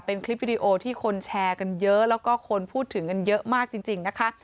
เป็นคลิปวิดีโอที่คนแชร์กันเยอะแล้วก็คนพูดถึงกันเยอะมากจริงนะคะ